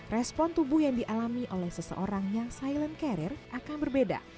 respon tubuh yang dialami oleh seseorang yang silent carrier akan berbeda